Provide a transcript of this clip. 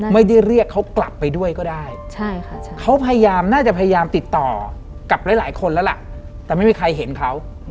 ไม่ได้เรียกเขากลับไปด้วยก็ได้เขาพยายามน่าจะพยายามติดต่อกับหลายคนแล้วล่ะแต่ไม่มีใครเห็นเขา